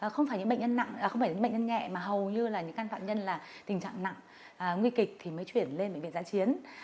không phải những bệnh nhân nhẹ mà hầu như là những can phạm nhân là tình trạng nặng nguy kịch thì mới chuyển lên bệnh viện giá chiến